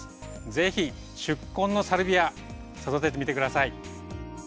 是非宿根のサルビア育ててみて下さい。